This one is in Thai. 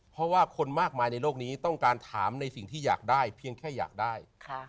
เพราะว่าคนมากมายในโลกนี้ต้องการถามในสิ่งที่อยากได้เพียงแค่อยากได้